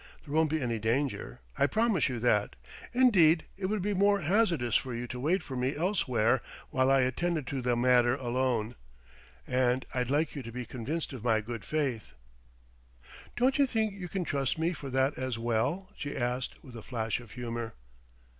There won't be any danger: I promise you that. Indeed, it would be more hazardous for you to wait for me elsewhere while I attended to the matter alone. And I'd like you to be convinced of my good faith." "Don't you think you can trust me for that as well?" she asked, with a flash of humour.